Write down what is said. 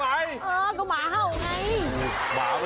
บางทีก็เตะหมาค่ะแค่หมาเขา